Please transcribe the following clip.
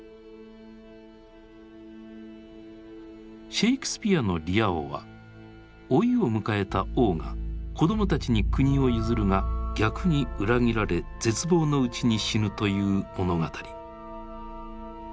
シェイクスピアの「リア王」は老いを迎えた王が子どもたちに国を譲るが逆に裏切られ絶望のうちに死ぬという物語。